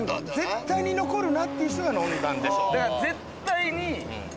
絶対に残るなっていう人が飲んだんでしょう。